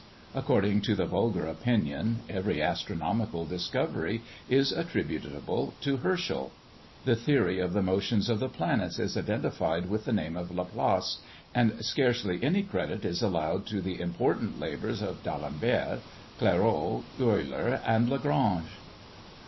According to the vulgar opinion, every astronomical discovery is attributable to Herschel. The theory of the motions of the planets is identified with the name of Laplace, and scarcely any credit is allowed to the important labours of D'Alembert, Clairaut, Euler, and Lagrange.